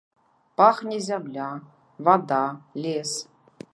Пахне зямля, вада, лес.